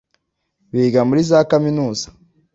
biga muri za kaminuza